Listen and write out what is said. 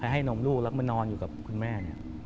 ให้นมลูกแล้วก็มานอนอยู่กับคุณแม่